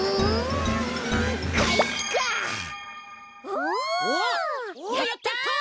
おおやった！